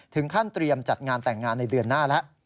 เตรียมจัดงานแต่งงานในเดือนหน้าแล้ว